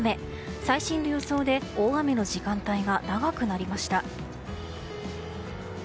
最新の予想で大雨の時間帯が長くなりました。